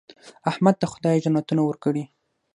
احمد ته خدای جنتونه ورکړي.